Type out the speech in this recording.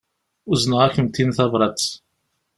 Uzneɣ-akent-in tabrat.